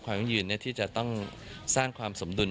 ยั่งยืนที่จะต้องสร้างความสมดุล